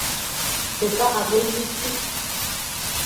Pepa a ve wui tsit.